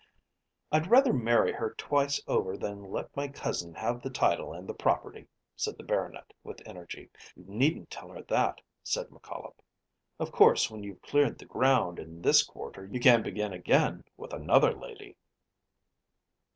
"I'd rather marry her twice over than let my cousin have the title and the property," said the Baronet with energy. "You needn't tell her that," said McCollop. "Of course when you've cleared the ground in this quarter you can begin again with another lady."